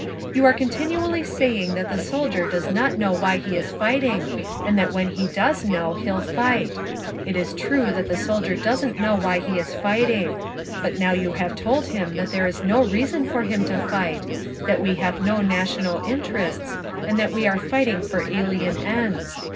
"You are continually saying that the soldier does not know why he is fighting, and that when he does know, he'll fight…. It is true that the soldier doesn't know why he is fighting, but now you have told him that there is no reason for him to fight, that we have no national interests, and that we are fighting for alien ends…."